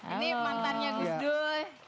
ini mantannya gus dur